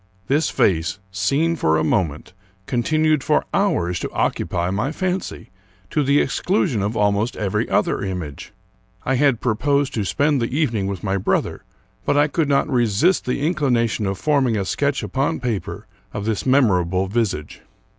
This face, seen for a moment, con tinued for hours to occupy my fancy, to the exckision of almost every other image. I had proposed to spend the evening with my brother; but I could not resist the inclina tion of forming a sketch upon paper of this memorable visage.